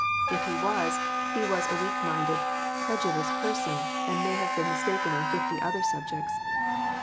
If he was, he was a weak minded, credulous person, and may have been mistaken on fifty other subjects.